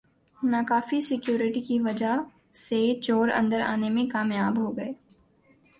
ناکافی سیکورٹی کی وجہ سےچور اندر آنے میں کامیاب ہوگئے